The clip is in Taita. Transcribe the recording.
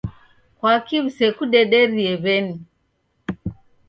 Kwaki w'isekudederie w'eni?